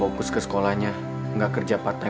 akan saling mencintai